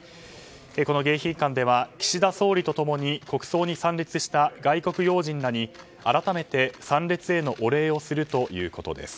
この迎賓館では、岸田総理と共に国葬に参列した外国要人らに改めて参列へのお礼をするということです。